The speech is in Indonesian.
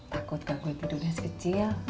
takut gak gue tidurnya si kecil